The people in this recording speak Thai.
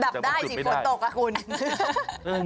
จับได้สิฝนตกอ่ะคุณ